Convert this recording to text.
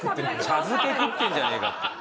茶漬け食ってんじゃねえかって。